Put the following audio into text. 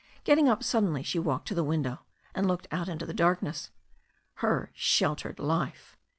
Getting up suddenly, she walked to the window and looked out into the darkness. Her "sheltered life!"